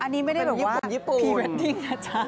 อันนี้ไม่ได้แบบว่าพรีเวดดิ้งนะจ๊ะ